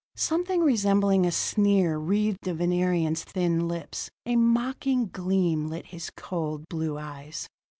Something resembling a sneer wreathed the Venerian's thin lips; a mocking gleam lit his cold, blue eyes.